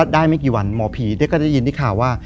ไม่กี่วันหมอผีก็ได้ยินที่ข่าวว่า